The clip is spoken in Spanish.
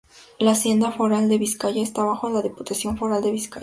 La Hacienda Foral de Vizcaya está bajo la Diputación Foral de Vizcaya.